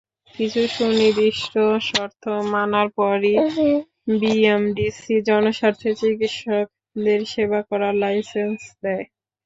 কিছু সুনির্দিষ্ট শর্ত মানার পরই বিএমডিসি জনস্বার্থে চিকিৎসকদের সেবা করার লাইসেন্স দেয়।